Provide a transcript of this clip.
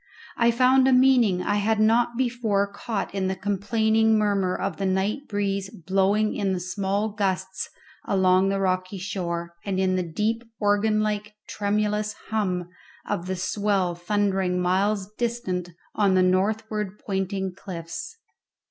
I found a meaning I had not before caught in the complaining murmur of the night breeze blowing in small gusts along the rocky shore, and in the deep organ like tremulous hum of the swell thundering miles distant on the northward pointing cliffs.